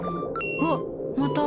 わっ、また。